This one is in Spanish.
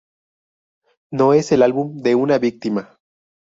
No es el álbum de una víctima.